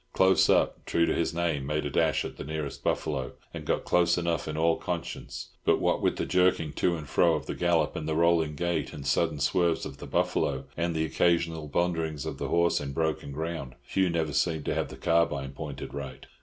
Close Up, true to his name, made a dash at the nearest buffalo, and got close enough in all conscience; but what with the jerking to and fro of the gallop, and the rolling gait and sudden swerves of the buffalo, and the occasional blunderings of the horse in broken ground, Hugh never seemed to have the carbine pointed right.